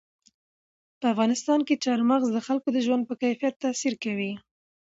په افغانستان کې چار مغز د خلکو د ژوند په کیفیت تاثیر کوي.